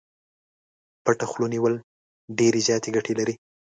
پټه خوله نيول ډېرې زياتې ګټې لري.